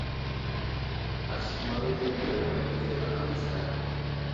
Asəkumaro ɗeɗew awehe aka məfətay.